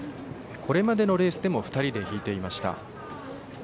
これまでのレースでも２人で引いていました。